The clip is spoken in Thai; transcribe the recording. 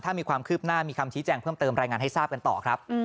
ถ้ามีความคืบหน้ามีคำชี้แจงเพิ่มเติมรายงานให้ทราบกันต่อครับ